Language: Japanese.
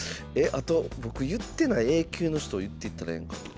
あと僕言ってないＡ級の人言ってったらええんかな。